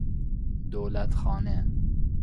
دولت خانه